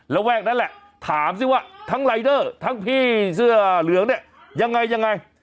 ระแวกนั้นแหละถามสิว่าทั้งรายเดอร์ทั้งพี่เสื้อเหลืองเนี่ยยังไงยังไง